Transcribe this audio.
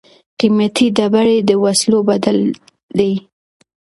قیمتي ډبرې د وسلو بدل دي.